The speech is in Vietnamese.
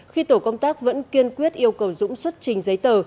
khi tổ công tác vẫn kiên quyết yêu cầu dũng xuất trình giấy tờ